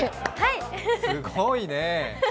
すごいね。